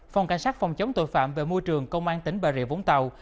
phòng cảnh sát phòng chống tội phạm về môi trường công an tỉnh bà rịa vũng tàu